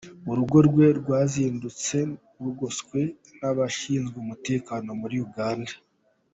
Urugo rwe rwazindutse rugoswe n’abashinzwe umutekano muri Uganda.